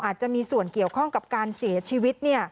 อาจจะมีส่วนเกี่ยวข้องกับการเสียชีวิต